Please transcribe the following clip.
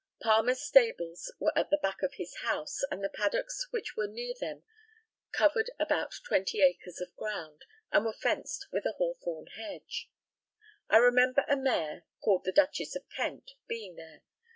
Palmer's stables were at the back of his house, and the paddocks which were near them covered about twenty acres of ground, and were fenced with a hawthorn hedge. I remember a mare, called the Duchess of Kent, being there.